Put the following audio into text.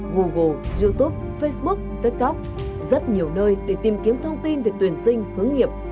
google youtube facebook tiktok rất nhiều nơi để tìm kiếm thông tin về tuyển sinh hướng nghiệp